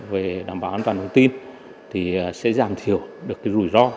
về đảm bảo an toàn thông tin thì sẽ giảm thiểu được cái rủi ro